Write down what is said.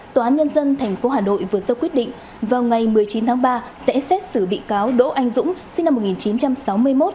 tòa án nhân dân tp hà nội vừa sơ quyết định vào ngày một mươi chín tháng ba sẽ xét xử bị cáo đỗ anh dũng sinh năm một nghìn chín trăm sáu mươi một